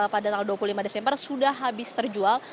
pada tanggal dua puluh lima desember sudah habis terjual